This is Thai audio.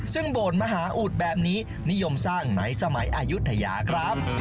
ซึ่งโบสถ์มหาอุดแบบนี้นิยมสร้างในสมัยอายุทยาครับ